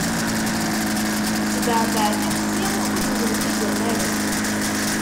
Tesbeɛbeɛ tixsi, uzzlen-d izamaren.